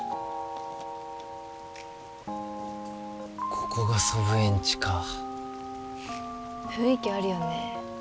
ここが祖父江んちか雰囲気あるよね